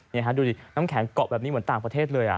ดูดิน้ำแข็งเกาะแบบนี้เหมือนต่างประเทศเลย